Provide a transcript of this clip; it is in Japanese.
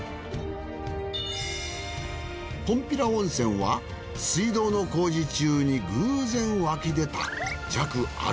ぽんぴら温泉は水道の工事中に偶然湧き出た弱アルカリ性の温泉。